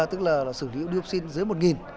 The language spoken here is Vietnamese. tức là là xử lý dioxin dưới một